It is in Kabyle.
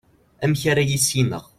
amek ara yissineɣ